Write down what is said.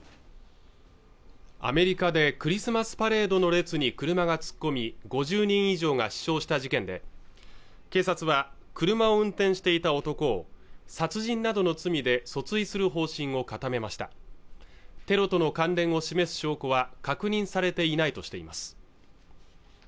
アメリカでクリスマスパレードの列に車が突っ込み５０人以上が死傷した事件で警察は車を運転していた男殺人などの罪で訴追する方針を固めましたテロとの関連を示す証拠は確認されていないとしています